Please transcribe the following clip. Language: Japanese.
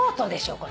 これ。